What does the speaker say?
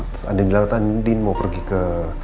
terus andin bilang andin mau pergi ke